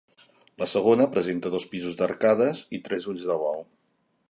La segona presenta dos pisos d'arcades, i tres ulls de bou.